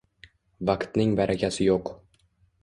“Vaqtning barakasi yo‘q.